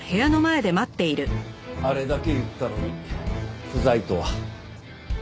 あれだけ言ったのに不在とは驚きました。